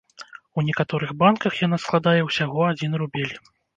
У некаторых банках яна складае ўсяго адзін рубель.